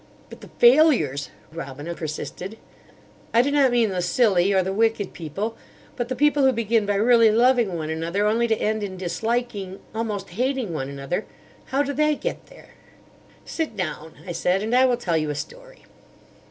"But the failures," Robina persisted; "I do not mean the silly or the wicked people; but the people who begin by really loving one another, only to end in disliking—almost hating one another. How do they get there?" "Sit down," I said, "and I will tell you a story.